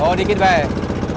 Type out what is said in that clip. oh dikit pak ya